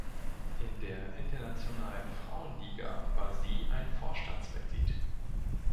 In der „Internationalen Frauenliga“ war sie ein Vorstandsmitglied.